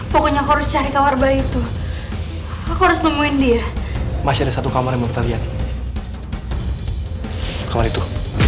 pokoknya harus cari kamar baik itu harus nemuin dia masih ada satu kamar yang terlihat kalau itu